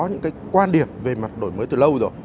những cái quan điểm về mặt đổi mới từ lâu rồi